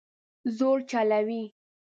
زور چلوي